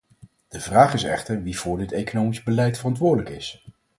De vraag is echter wie voor dit economische beleid verantwoordelijk is.